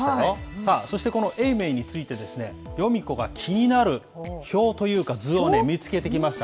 さあ、そしてこの永明についてですね、ヨミ子が気になる表というか、図を見つけてきました。